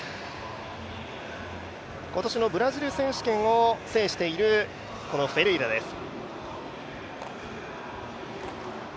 今年のブラジル選手権を制しているフェレイラです。